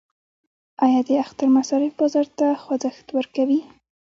آیا د اختر مصارف بازار ته خوځښت ورکوي؟